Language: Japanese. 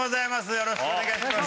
よろしくお願いします！